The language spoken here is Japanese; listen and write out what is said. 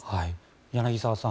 柳澤さん